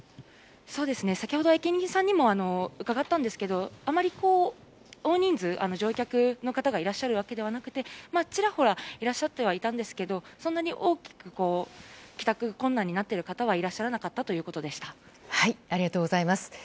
先ほど駅員さんにも伺ったんですがあまり大人数の乗客の方がいらっしゃるわけではなくてちらほらいらっしゃってはいたんですがそんなに大きく帰宅困難になっている方はいらっしゃらなかったということです。